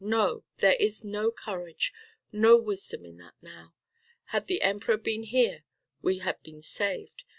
No! there is no courage, no wisdom in that now. Had the Emperor been here we had been saved.